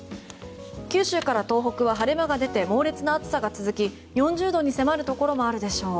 九州から東北は晴れ間が出て猛烈な暑さが続き４０度に迫るところもあるでしょう。